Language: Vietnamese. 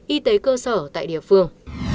y tế cơ sở tại địa phương